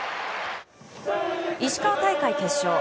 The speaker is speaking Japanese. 石川大会決勝。